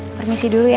permisi dulu ya